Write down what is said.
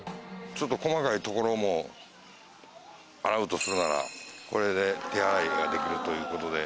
ちょっと細かい所も洗うとするならこれで手洗いができるということで。